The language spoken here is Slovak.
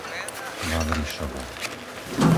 Vavrišovo